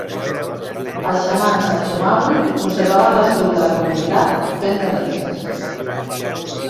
Els xamans achomawi conservaven la salut de la comunitat, fent de metges.